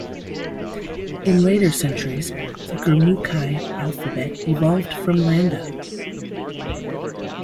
In later centuries, the Gurmukhi alphabet evolved from Landa.